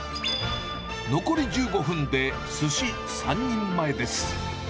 残り１５分で、すし３人前です。